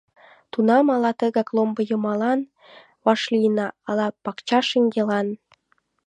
Тунам ала тыгак ломбо йымалан вашлийына, ала пакча шеҥгелан.